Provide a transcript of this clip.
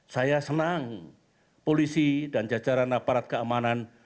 saya senang polisi dan jajaran aparat keamanan